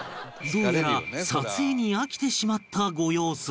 どうやら撮影に飽きてしまったご様子